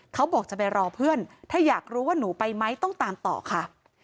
เขาบอกจะไปรอเพื่อนถ้าอยากรู้ว่าหนูไปไหมต้องตามต่อค่ะ